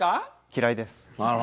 嫌いです。